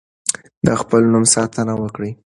د خپل نوم ساتنه وکړئ.